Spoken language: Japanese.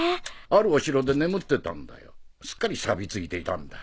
あるお城で眠ってたんだよすっかりサビついていたんだ。